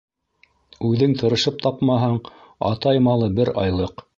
Үҙең тырышып тапмаһаң, атай малы бер айлыҡ